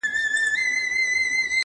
نن دي د دښتونو پر لمنه رمې ولیدې-